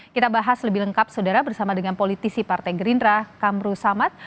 kita bahas lebih lengkap saudara bersama dengan politisi partai gerindra kamru samad